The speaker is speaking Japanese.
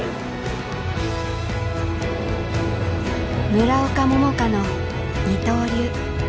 村岡桃佳の二刀流。